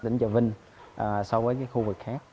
ở tỉnh trà vinh so với cái khu vực khác